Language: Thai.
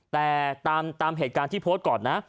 แต่ตามเหตุการณ์ที่โพสต์ก่อนนะ